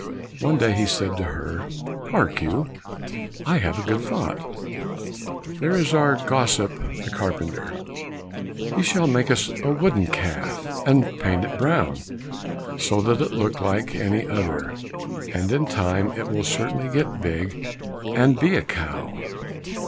One day he said to her, "Hark you, I have a good thought, there is our gossip the carpenter, he shall make us a wooden calf, and paint it brown, so that it look like any other, and in time it will certainly get big and be a cow."